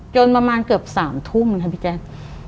จนประมาณเกือบ๓ทุ่มค่ะพี่แจ๊ค